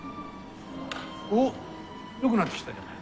おっよくなってきたじゃない。